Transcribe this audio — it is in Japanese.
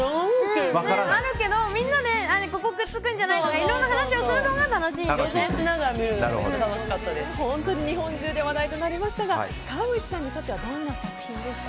あるけど、みんなでここがくっつくんじゃないかとかいろんな話をするのが本当に日本中で話題になりましたが川口さんにとってはどんな作品ですか？